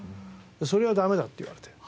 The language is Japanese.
それはダメだって言われて。